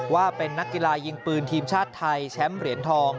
ว่าเป็นนักกีฬายิงปืนทีมชาติไทยแชมป์เหรียญทอง